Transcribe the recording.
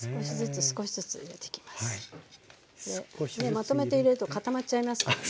まとめて入れると固まっちゃいますからね。